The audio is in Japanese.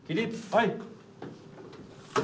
はい。